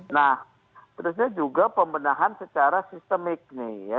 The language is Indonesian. nah terusnya juga pembenahan secara sistemik nih ya